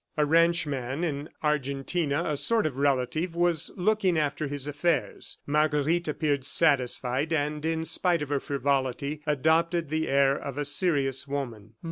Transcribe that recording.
A ranchman in Argentina, a sort of relative, was looking after his affairs. Marguerite appeared satisfied, and in spite of her frivolity, adopted the air of a serious woman.